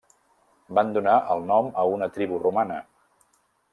Van donar el nom a una tribu romana.